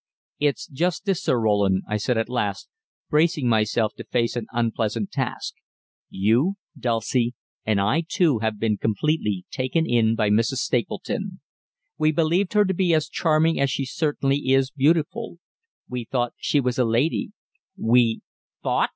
"It's just this, Sir Roland," I said at last, bracing myself to face an unpleasant task. "You, Dulcie, and I too, have been completely taken in by Mrs. Stapleton. We believed her to be as charming as she certainly is beautiful, we thought she was a lady, we " "'Thought'!"